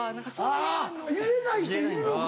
あぁ言えない人いるのか。